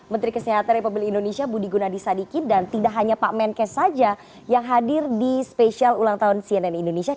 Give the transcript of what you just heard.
menteri kesehatan republik indonesia budi gunadisadikin dan tidak hanya pak menkes saja yang hadir di spesial ulang tahun cnn indonesia